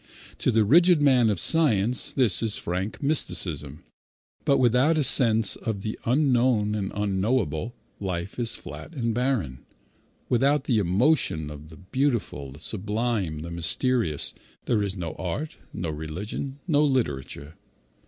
To the rigid man of science this is frank mysticism; but without a sense of the unknown and unknowable, life is flat and barren. Without the emotion of the beautiful, the sublime, the mysterious, there is no art, no religion, no literature.